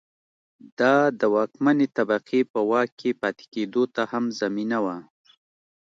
دا د واکمنې طبقې په واک کې پاتې کېدو ته هم زمینه وه.